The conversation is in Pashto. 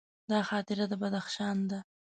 دا خاطره د بدخشان ده.